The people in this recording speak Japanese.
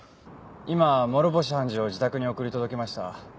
今諸星判事を自宅に送り届けました。